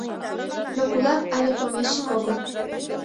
Но кулак але помещик огыл.